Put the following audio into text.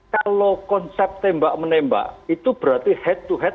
kalau konsep tembak menembak itu berarti head to head